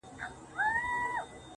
نن به د ورځې ښکلومه د سپرلي لاسونه~